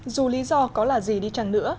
dù lý do có là gì đi chăng nữa